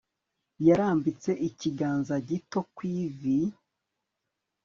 yarambitse ikiganza gito ku ivi